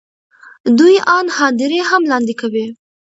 دوی آن هدیرې هم لاندې کوي.